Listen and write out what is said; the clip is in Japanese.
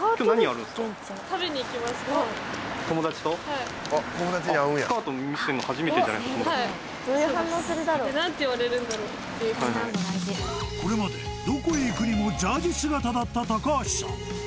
はいはいこれまでどこへ行くにもジャージ姿だった橋さん